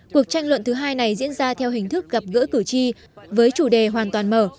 cuộc tranh luận thứ hai này diễn ra theo hình thức gặp gỡ cử tri với chủ đề hoàn toàn mở